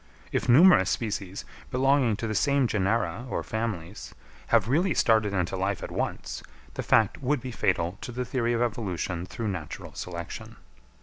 If numerous species, belonging to the same genera or families, have really started into life at once, the fact would be fatal to the theory of evolution through natural selection.